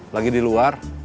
lagi di luar